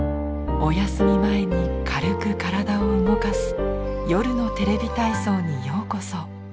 お休み前に軽く体を動かす「夜のテレビ体操」にようこそ。